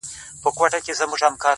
ور پسې وه د خزان وحشي بادونه؛